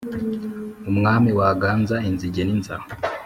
umwami waganza inzige n’inzara,